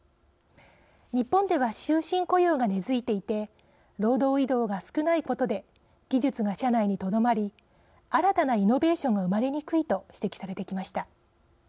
日本では終身雇用が根づいていて労働移動が少ないことで技術が社内にとどまり新たなイノベーションが生まれにくいと指摘されてきました。